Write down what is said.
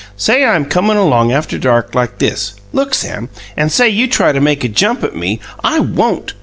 "Say I'm comin' along after dark like this look, Sam! And say you try to make a jump at me " "I won't!"